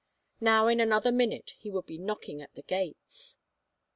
Now in another minute he would be knocking at the gates!